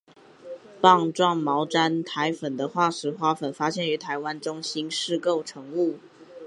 棒状毛毡苔粉的化石花粉发现于台湾的中新世构成物。